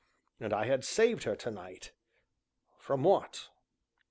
And I had saved her tonight from what?